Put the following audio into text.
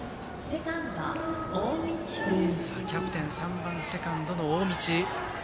さあ、キャプテン３番セカンドの大道。